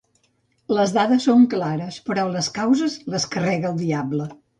Les dades són clares, però les causes les carrega el diable.